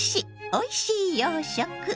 おいしい洋食」。